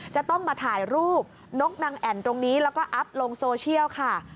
จะต้องมาถ่ายรูปนกนางแอ่นตรงนี้แล้วก็อัพลงโซเชียลค่ะ